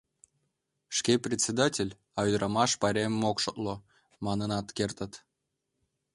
«Шке председатель, а ӱдырамаш пайремым ок шотло», — манынат кертыт.